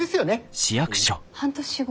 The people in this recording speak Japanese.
半年後。